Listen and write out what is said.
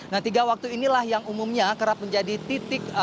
nah tiga waktu inilah yang umumnya kerap menjadi titik